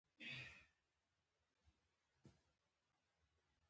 وزې د شپې هم حرکت کوي